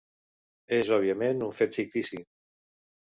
És òbviament un fet fictici.